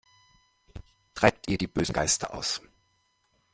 Treibt ihr die bösen Geister aus!